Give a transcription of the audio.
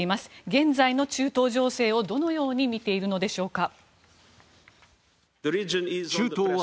現在の中東情勢をどのように見ているのでしょうか。